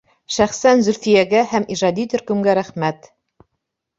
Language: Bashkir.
Шәхсән Зөлфиәгә һәм ижади төркөмгә рәхмәт!